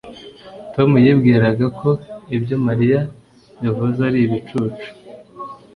Tom yibwiraga ko ibyo Mariya yavuze ari ibicucu